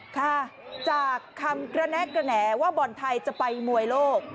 ค่ะจากคำกระแนะกระแหนว่าบอลไทยจะไปมวยโลก